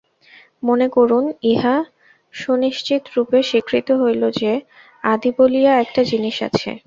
মনে করুন, ইহা সুনিশ্চিতরূপে স্বীকৃত হইল যে, আদি বলিয়া একটা জিনিষ আছে।